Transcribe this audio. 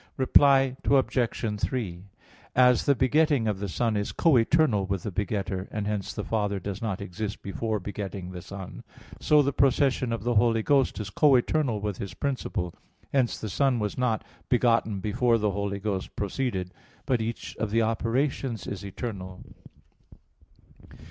Reply Obj. 3: As the begetting of the Son is co eternal with the begetter (and hence the Father does not exist before begetting the Son), so the procession of the Holy Ghost is co eternal with His principle. Hence, the Son was not begotten before the Holy Ghost proceeded; but each of the operations is eternal.